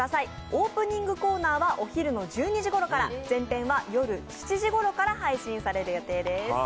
オープニングコーナーはお昼の１２時ごろから全編は夜７時ごろから配信される予定です。